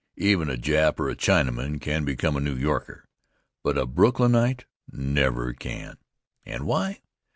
Even a Jap or a Chinaman can become a New Yorker, but a Brooklynite never can. And why?